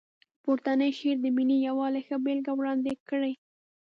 پورتنی شعر د ملي یووالي ښه بېلګه وړاندې کړې.